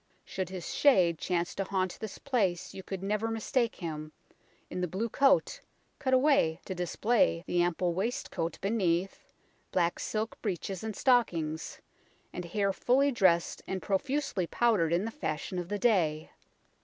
Should his shade chance to haunt this place you could never mistake him in the blue coat, cut away to dis play the ample waistcoat beneath, black silk breeches and stockings, and hair fully dressed and profusely powdered in the fashion of the day.